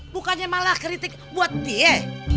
bukannya malah kritik buat dia